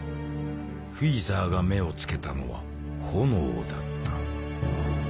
フィーザーが目をつけたのは炎だった。